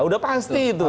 sudah pasti itu